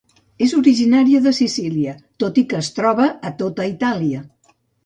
És originària de Sicília, tot i que es troba a tota Itàlia.